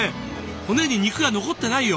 骨に肉が残ってないよ。